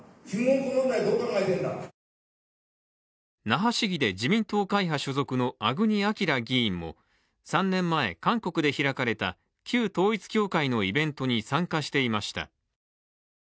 那覇市議で自民党会派所属の粟國彰議員も３年前、韓国で開かれた旧統一教会のイベントに参加していました。